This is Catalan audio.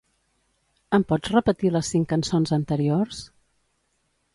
Em pots repetir les cinc cançons anteriors?